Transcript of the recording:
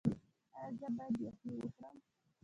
ایا زه باید یخني وخورم؟